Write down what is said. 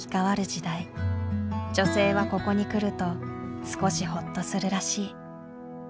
女性はここに来ると少しホッとするらしい。